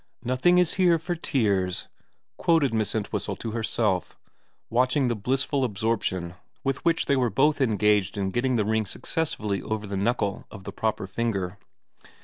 *" Nothing is here for tears," ' quoted Miss Ent whistle to herself, watching the blissful absorption with which they were both engaged in getting the ring successfully over the knuckle of the proper finger.